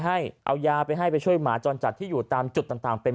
ให้เอายาไปให้ไปช่วยหมาจรจัดที่อยู่ตามจุดต่างเป็น